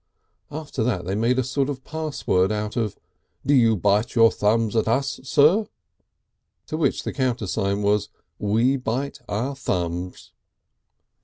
After that they made a sort of password of: "Do you bite your thumbs at Us, Sir?" To which the countersign was: "We bite our thumbs."